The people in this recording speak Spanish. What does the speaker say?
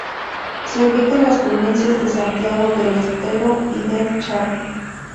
Se ubica en las provincias de Santiago del Estero y del Chaco.